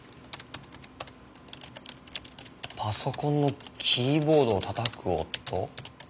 パソコンのキーボードを叩く音？